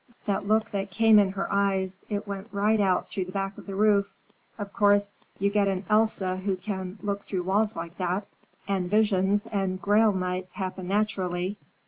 That look that came in her eyes; it went right out through the back of the roof. Of course, you get an Elsa who can look through walls like that, and visions and Grail knights happen naturally.